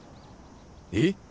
えっ？